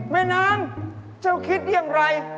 แม่น้ำเจ้าคิดอย่างไร